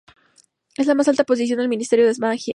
Es la más alta posición del Ministerio de Magia.